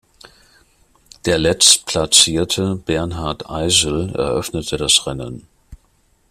Der Letztplatzierte Bernhard Eisel eröffnete das Rennen.